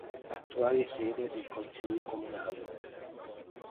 Attuale sede del consiglio comunale.